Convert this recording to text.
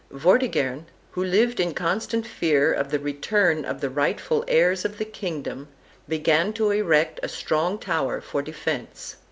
Vortigern, who lived in constant fear of the return of the rightful heirs of the kingdom, began to erect a strong tower for defence.